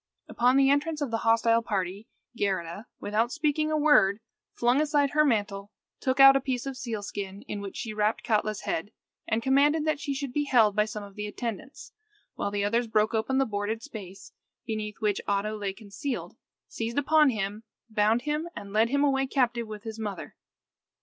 Upon the entrance of the hostile party, Geirrida, without speaking a word, flung aside her mantle, took out a piece of sealskin, in which she wrapped up Katla's head, and commanded that she should be held by some of the attendants, while the others broke open the boarded space, beneath which Oddo lay concealed, seized upon him, bound him, and led him away captive with his mother.